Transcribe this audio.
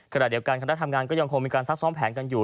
ขณะเดียวกันคณะทำงานก็ยังคงมีการซักซ้อมแผนกันอยู่